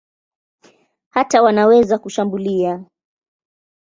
Hata wanaweza kushambulia.